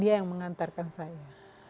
dia yang mengantarkan saya